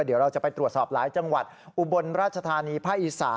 เดี๋ยวเราจะไปตรวจสอบหลายจังหวัดอุบลราชธานีภาคอีสาน